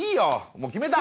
もう決めた！